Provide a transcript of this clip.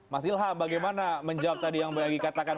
mas ilham bagaimana menjawab tadi yang bang egy katakan